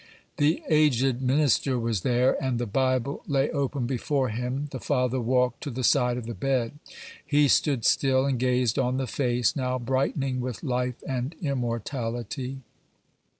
The aged minister was there, and the Bible lay open before him. The father walked to the side of the bed. He stood still, and gazed on the face now brightening with "life and immortality."